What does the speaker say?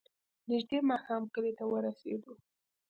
نژدې ماښام کلي ته ورسېدو.